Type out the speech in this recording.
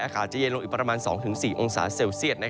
อากาศจะเย็นลงอีกประมาณ๒๔องศาเซลเซียต